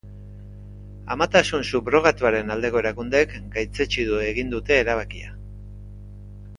Amatasun subrogatuaren aldeko erakundeek gaitzetsi egin dute erabakia.